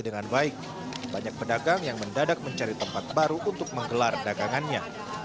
dengan baik banyak pedagang yang mendadak mencari tempat baru untuk menggelar dagangannya